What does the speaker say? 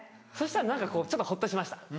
そしたら何かちょっとほっとしました。